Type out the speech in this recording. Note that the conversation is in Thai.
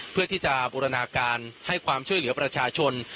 เพื่อที่จะบูรณาการให้ความช่วยเหลือประชาชน